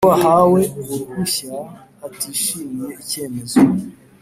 Iyo uwahawe uruhushya atishimiye icyemezo